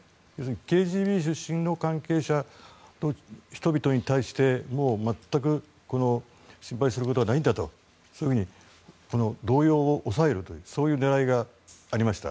ＫＧＢ出身の関係者の人々に対して全く心配することはないんだと動揺を抑えるというそういう狙いがありました。